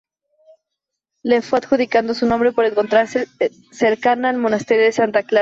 Le fue adjudicado su nombre por encontrarse cercana al monasterio de Santa Clara.